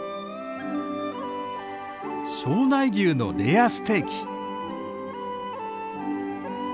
庄内牛のレアステーキ。